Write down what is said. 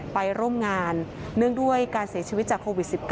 ไปร่วมงานเนื่องด้วยการเสียชีวิตจากโควิด๑๙